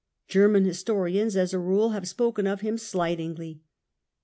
Ger man historians as a rule have spoken of him slightingly.